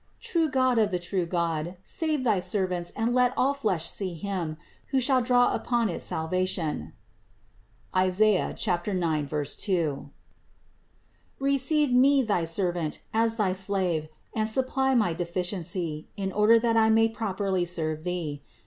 True God of the true God, save thy servants and let all flesh see Him, who shall draw upon it salvation (Is. 9, 2). Receive me thy servant as thy slave and supply my deficiency, in order that I may properly serve Thee.